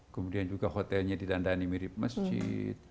kemudian juga hotelnya ditandani mirip masjid